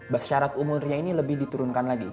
bas syarat umurnya ini lebih diturunkan lagi